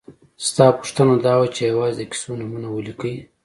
ستا پوښتنه دا وه چې یوازې د کیسو نومونه ولیکئ.